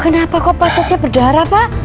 kenapa kau patutnya berdarah pak